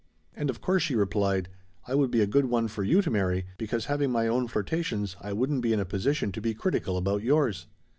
"And of course," she replied, "I would be a good one for you to marry because having my own flirtations I wouldn't be in a position to be critical about yours."